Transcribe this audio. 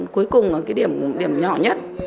cuối cùng cái điểm nhỏ nhất